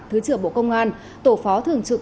thứ trưởng bộ công an tổ phó thường trực